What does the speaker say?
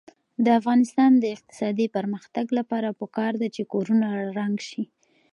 د افغانستان د اقتصادي پرمختګ لپاره پکار ده چې کورونه رنګ شي.